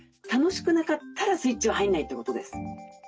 楽しくなかったらスイッチは入んないってことです。